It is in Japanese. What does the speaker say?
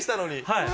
はい。